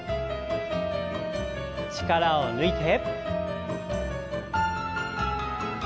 力を抜いて。